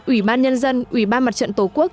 ủy ban nhân dân ủy ban mặt trận tổ quốc